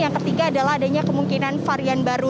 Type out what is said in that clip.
yang ketiga adalah adanya kemungkinan varian baru